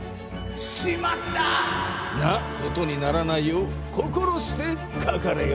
「しまった！」なことにならないよう心してかかれよ。